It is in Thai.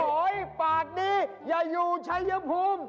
โอ๊ยภาคนี้อย่าอยู่ใช่เยอะมูม